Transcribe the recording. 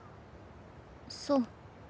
そう。